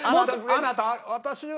あなた私は？